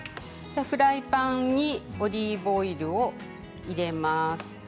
フライパンにオリーブオイルを入れます。